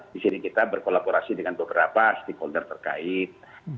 di sini kita berkolaborasi dengan beberapa stakeholder terkait